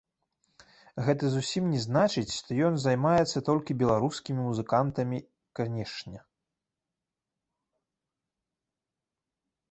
Гэта зусім не значыць, што ён займаецца толькі беларускімі музыкантамі, канешне.